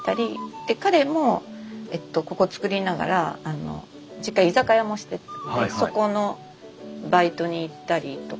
で彼もえっとここ造りながらあの実家居酒屋もしてたんでそこのバイトに行ったりとか。